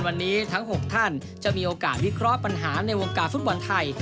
วันนี้ทั้ง๖ท่านจะมีโอกาสวิเคราะห์ปัญหาในวงการฟุตบอลไทย